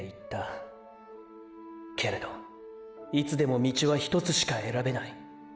けれどいつでも道はひとつしか選べない。